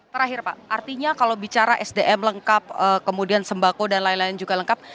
terakhir pak artinya kalau bicara sdm lengkap kemudian sembako dan lain lain juga lengkap